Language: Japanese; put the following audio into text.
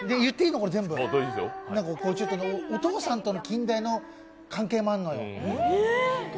これ、お父さんとの禁断の関係もあんのよ。